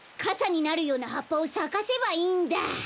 かさになるようなはっぱをさかせばいいんだ！